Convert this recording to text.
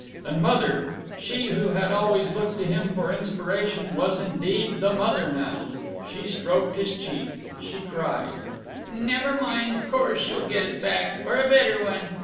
And Mother, she who had always looked to him for inspiration, was indeed the mother now. She stroked his cheek, she cried, "Never mind 'course you'll get it back, or a better one!"